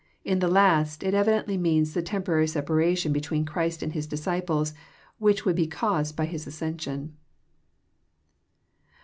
In the last, it evidently means the temporary separation be tween Christ and His disciples which would be caased by His ascension.